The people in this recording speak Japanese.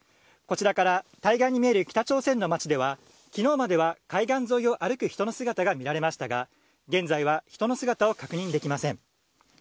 こちらから対岸に見える北朝鮮の町では、きのうまでは海岸沿いを歩く人の姿が見られましたが、現在は人の姿は確認できません。